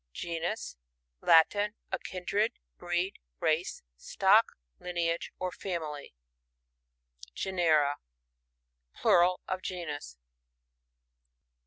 Genus, — Latin. A kindred, breed, race, stock, lineage, or family. Genera. — Plural of genus.